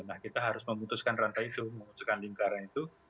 nah kita harus memutuskan rantai itu memutuskan lingkaran itu